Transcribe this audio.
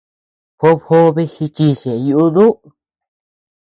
Job jobe jichis ñeʼe yuduu.